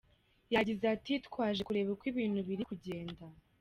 Yagize ati: “Twaje kureba uko ibintu biri kugenda.